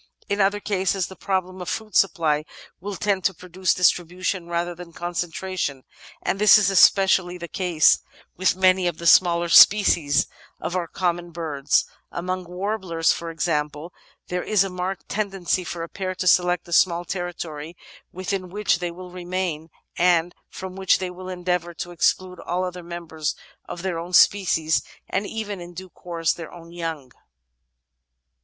In other cases the problem of food supply will tend to produce distribution rather than con centration, and this is especially the case i^th many of the smaller species of our common birds : among warblers, for example, there is a marked tendency for a pair to select a small territory within which they will remain and from which they will endeavour to exclude all other members of their own species and even, in due course, their own young.